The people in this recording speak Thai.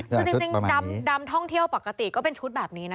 คือจริงดำท่องเที่ยวปกติก็เป็นชุดแบบนี้นะ